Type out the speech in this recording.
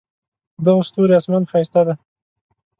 په دغه ستوري آسمان ښایسته دی